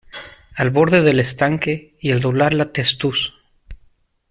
Al borde del estanque, y al doblar la testuz.